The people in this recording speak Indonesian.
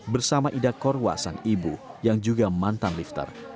bersama ida korwa sang ibu yang juga mantan lifter